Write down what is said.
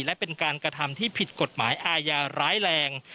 และเป็นการกระทำที่ผิดกฎหมายอาญาร้ายแรง